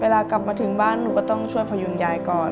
กลับมาถึงบ้านหนูก็ต้องช่วยพยุงยายก่อน